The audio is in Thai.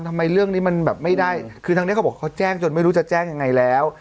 ทำไมเรื่องนี้มันแบบไม่ได้คือทางนี้เขาบอกเขาแจ้งจนไม่รู้จะแจ้งยังไงแล้ว